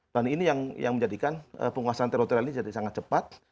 dan ini yang menjadikan penguasaan teritorial ini jadi sangat cepat